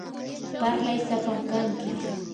parlay sapam kanki.